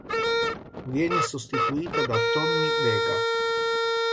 Viene sostituita da Tommy Vega.